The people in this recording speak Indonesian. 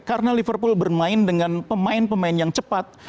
karena liverpool bermain dengan pemain pemain yang cepat